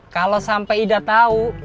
kalau sampai ida tahu